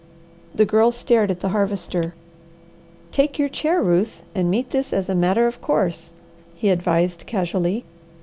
The Girl stared at the Harvester. "Take your chair, Ruth, and meet this as a matter of course," he advised casually.